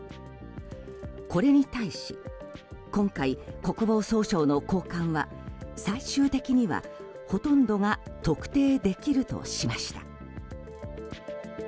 これに対し今回、国防総省の高官は最終的には、ほとんどが特定できるとしました。